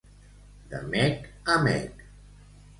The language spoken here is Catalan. De mec a mec.